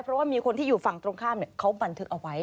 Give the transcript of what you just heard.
เพราะว่ามีคนที่อยู่ฝั่งตรงข้ามเขาบันทึกเอาไว้